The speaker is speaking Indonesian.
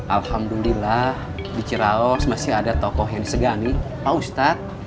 alhamdulillah di ceralos masih ada tokoh yang disegani pak ustadz